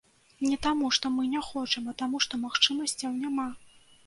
Не таму, што мы не хочам, а таму, што магчымасцяў няма.